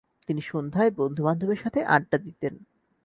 তিনি সন্ধ্যায় বন্ধু-বান্ধবের সাথে আড্ডা দিতেন।